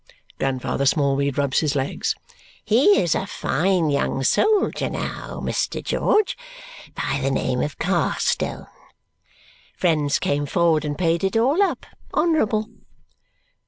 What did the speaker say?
Grandfather Smallweed rubs his legs. "He is a fine young soldier now, Mr. George, by the name of Carstone. Friends came forward and paid it all up, honourable."